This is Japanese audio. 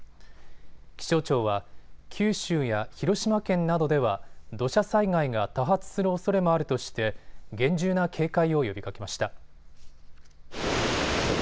気象庁は九州や広島県などでは土砂災害が多発するおそれもあるとして厳重な警戒を呼びかけました。